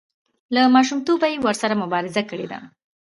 له ماشومتوبه یې ورسره مبارزه کړې ده.